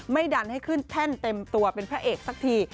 ดันให้ขึ้นแท่นเต็มตัวเป็นพระเอกสักที